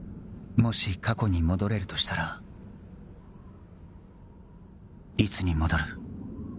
もし過去に戻れるとしたらいつに戻る？